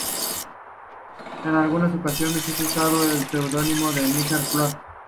En alguna ocasión ha usado el seudónimo de "Negra Flor".